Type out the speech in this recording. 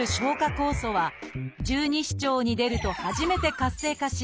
酵素は十二指腸に出ると初めて活性化し